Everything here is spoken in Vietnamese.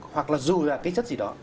hoặc là dù là cái chất gì đó